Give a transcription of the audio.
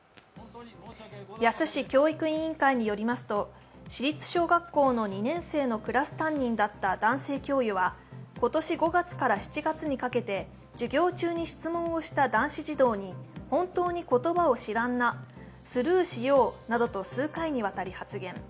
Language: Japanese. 野洲市教育委員会によりますと、市立小学校の２年生のクラス担任だった男性教諭は、今年５月から７月にかけて、授業中に質問をした男子児童に本当に言葉を知らんなスルーしようなどと数回にわたり発言。